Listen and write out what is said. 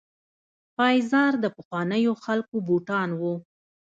پایزار د پخوانیو خلکو بوټان وو.